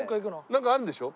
なんかあるんでしょ？